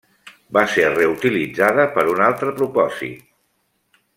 Va ser reutilitzada per a un altre propòsit.